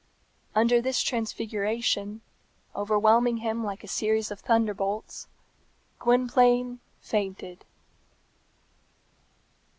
Under this transfiguration, overwhelming him like a series of thunderbolts, Gwynplaine fainted.